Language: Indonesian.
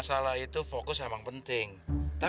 selesai tuh satu ya